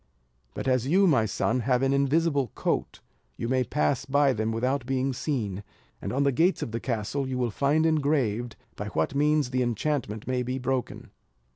But as you, my son, have an invisible coat, you may pass by them without being seen; and on the gates of the castle, you will find engraved, by what means the enchantment may be broken."